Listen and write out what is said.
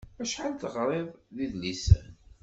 Acḥal teɣriḍ d idlisen?